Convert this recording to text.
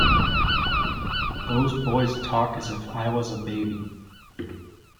Those boys talk as if I was a baby.